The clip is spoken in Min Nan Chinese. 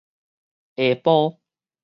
下埔